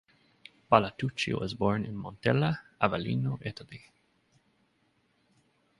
Palatucci was born in Montella, Avellino, Italy.